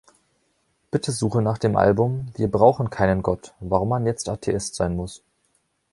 Bitte suche nach dem Album Wir brauchen keinen Gott: warum man jetzt Atheist sein muss.